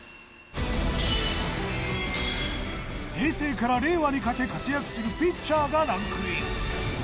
平成から令和にかけ活躍するピッチャーがランクイン。